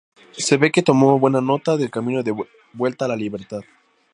Se ve que tomo buena nota del camino de vuelta a la libertad.